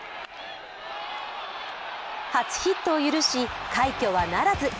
初ヒットを許し、快挙はならず。